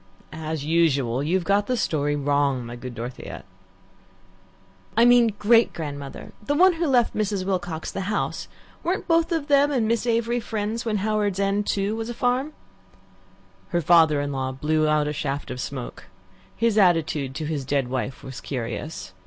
"As usual, you've got the story wrong, my good Dorothea." "I mean great grandmother the one who left Mrs. Wilcox the house. Weren't both of them and Miss Avery friends when Howards End, too, was a farm?" Her father in law blew out a shaft of smoke. His attitude to his dead wife was curious.